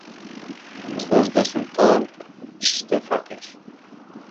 • So‘zda — sulton, ishda — faqir.